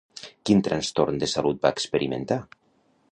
Quin trastorn de salut va experimentar?